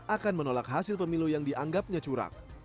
akan menolak hasil pemilu yang dianggapnya curang